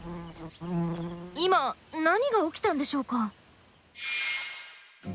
今何が起きたんでしょうか？